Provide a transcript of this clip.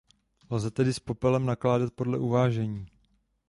Lze tedy s popelem nakládat podle uvážení.